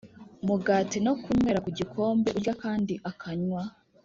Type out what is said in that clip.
mugati no kunywera ku gikombe Urya kandi akanywa